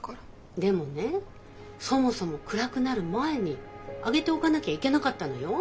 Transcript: でもねそもそも暗くなる前に揚げておかなきゃいけなかったのよ。